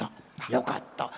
よかった。